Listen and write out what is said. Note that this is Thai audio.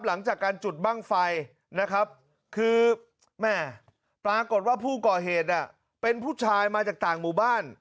หลังจากการจุดบ้างไฟนะครับ